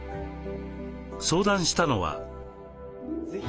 相談したのは。